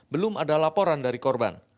belum ada laporan dari korban